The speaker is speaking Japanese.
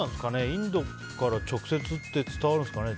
インドから直接って伝わるんですかね。